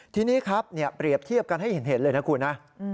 ทีนี้ครับเปรียบเทียบกันให้เห็นเลยนะคุณนะ